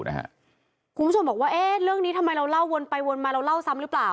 คุณผู้ชมบอกว่าเรื่องนี้ทำไมเราเล่าวนไปวนมาเราเล่าซ้ำหรือเปล่า